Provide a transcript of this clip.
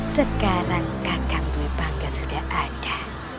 sekarang kakakmu yang bangga sudah ada